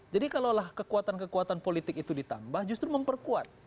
jadi kalaulah kekuatan kekuatan politik itu ditambah justru memperkuat